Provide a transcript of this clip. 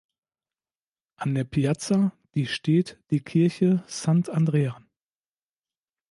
An der Piazza die steht die Kirche Sant’Andrea.